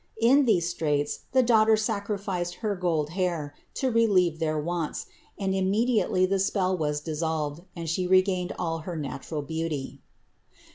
In these straits the daughter sacrificed her "gold hair" to relieve their wants, and immediately the spell was dissolved and she regained all her natural beauty.